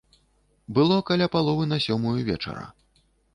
Было каля паловы на сёмую вечара.